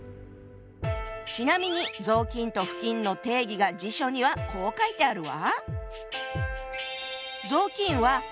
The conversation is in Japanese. ちなみに「雑巾」と「布巾」の定義が辞書にはこう書いてあるわ。